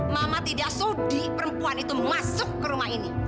mama tidak sudi perempuan itu masuk ke rumah ini